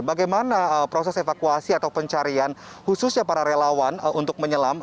bagaimana proses evakuasi atau pencarian khususnya para relawan untuk menyelam